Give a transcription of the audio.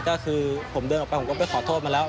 ก็คือผมเดินออกไปผมก็ไปขอโทษมาแล้ว